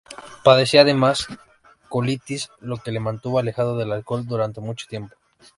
Padecía además colitis, lo que le mantuvo alejado del alcohol durante mucho tiempo.